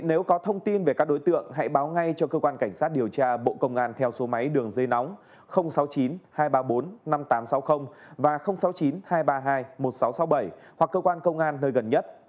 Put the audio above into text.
nếu có thông tin về các đối tượng hãy báo ngay cho cơ quan cảnh sát điều tra bộ công an theo số máy đường dây nóng sáu mươi chín hai trăm ba mươi bốn năm nghìn tám trăm sáu mươi và sáu mươi chín hai trăm ba mươi hai một nghìn sáu trăm sáu mươi bảy hoặc cơ quan công an nơi gần nhất